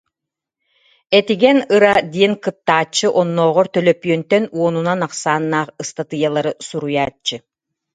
Этигэн Ыра диэн кыттааччы оннооҕор төлөпүөнтэн уонунан ахсааннаах ыстатыйалары суруйааччы